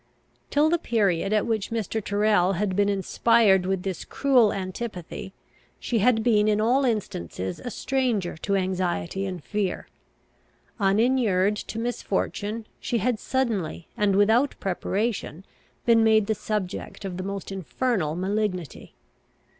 Till the period at which Mr. Tyrrel had been inspired with this cruel antipathy, she had been in all instances a stranger to anxiety and fear. Uninured to misfortune, she had suddenly and without preparation been made the subject of the most infernal malignity.